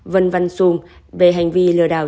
vân văn xung về hành vi lừa đảo